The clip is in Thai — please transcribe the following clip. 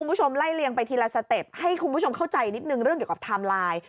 คุณผู้ชมไล่เลียงไปทีละสเต็ปให้คุณผู้ชมเข้าใจนิดนึงเรื่องเกี่ยวกับไทม์ไลน์